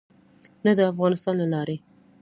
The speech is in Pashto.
نه د افغانستان له لارې.